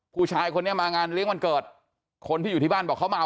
ผู้ชายคนนี้มางานเลี้ยงวันเกิดคนที่อยู่ที่บ้านบอกเขามา